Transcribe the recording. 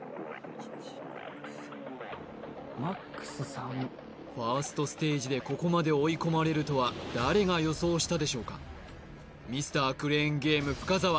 １２３ＭＡＸ３ファーストステージでここまで追い込まれるとは誰が予想したでしょうかＭｒ．クレーンゲーム深澤